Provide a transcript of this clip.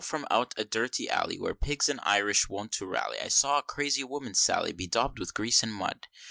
from out a dirty alley, Where pigs and Irish wont to rally, I saw a crazy woman sally, Bedaub'd with grease and mud.